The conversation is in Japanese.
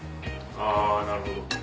あぁなるほど。